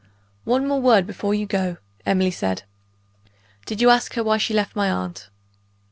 "One word more before you go," Emily said. "Did you ask her why she left my aunt?"